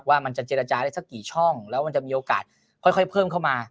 ว่ามันจะเจรจาได้สักกี่ช่องแล้วมันจะมีโอกาสค่อยเพิ่มเข้ามา